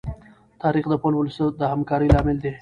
تاریخ د خپل ولس د همکارۍ لامل دی.